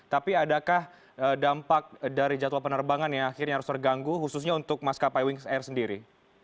tapi adakah dampak dari jadwal penerbangan yang akhirnya harus terganggu khususnya untuk maskapai wings air sendiri